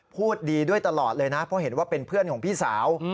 พูดดีด้วยตลอดเลยนะเพราะเห็นว่าเป็นเพื่อนของพี่สาว